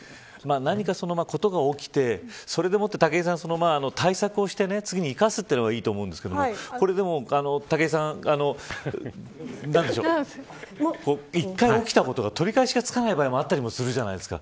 何か、事が起きてそれでもって対策をして次に生かせればいいと思うんですけど１回起きたことが取り返しがつかない場合もあったりするじゃないですか。